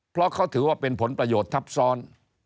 เพราะเขาถือว่าเป็นผลประโยชน์ทับซ้อน